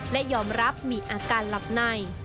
และยอมรับมีอาการหลับใน